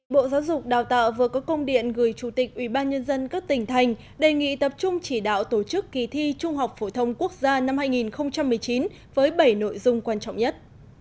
bộ giáo dục đào tạo vừa có công điện gửi chủ tịch ubnd các tỉnh thành đề nghị tập trung chỉ đạo tổ chức kỳ thi trung học phổ thông quốc gia năm hai nghìn một mươi chín với bảy nội dung quan trọng nhất